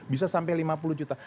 bisa sampai lima puluh juta